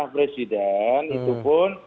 kamu berdua kalian tahun ini